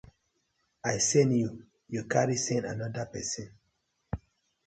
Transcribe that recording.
I sen yu, yu carry sen anoda pesin.